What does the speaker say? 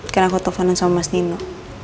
karena aku telepon sama mas nino